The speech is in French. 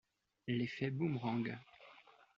L'effet boomerang.